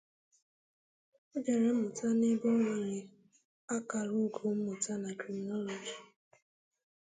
Ọ jere mmụta na ebe O nwere akara ugo mmụta na Criminology.